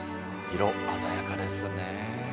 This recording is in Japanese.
色鮮やかですね。